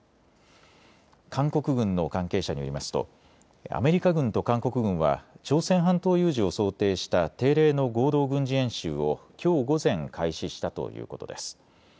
韓国軍の関係者によりますとアメリカ軍と韓国軍は朝鮮半島有事を想定した定例の合同軍事演習をきょう午前、開始したということです。